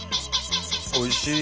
おいしい！